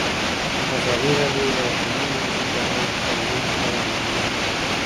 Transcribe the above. ازادي راډیو د اټومي انرژي د اړونده قوانینو په اړه معلومات ورکړي.